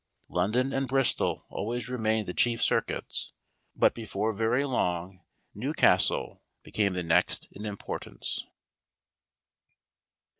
London and Bristol always remained the chief circuits; but before very long Newcastle became the next in importance.